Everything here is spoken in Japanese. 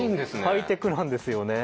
ハイテクなんですよね。